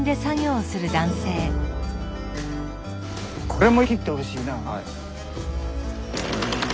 これも切ってほしいな。